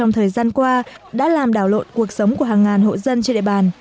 giáo lộn cuộc sống của hàng ngàn hộ dân trên địa bàn